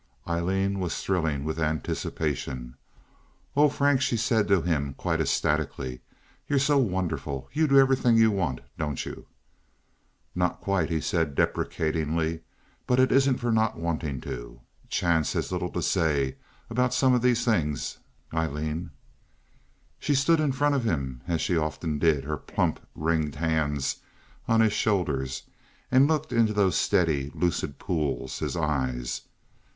Aileen was thrilling with anticipation. "Oh, Frank," she said to him, quite ecstatically, "you're so wonderful! You do everything you want, don't you?" "Not quite," he said, deprecatingly; "but it isn't for not wanting to. Chance has a little to say about some of these chings, Aileen." She stood in front of him, as she often did, her plump, ringed hands on his shoulders, and looked into those steady, lucid pools—his eyes.